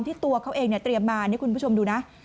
ที่ตัวเขาเองเนี่ยเตรียมมาคุณผู้ชมดูนะ